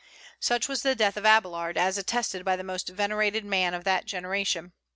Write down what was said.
Such was the death of Abélard, as attested by the most venerated man of that generation.